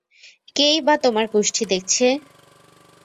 কেই বা তোমার কুষ্ঠি দেখছে!